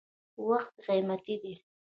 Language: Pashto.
• وخت قیمتي دی.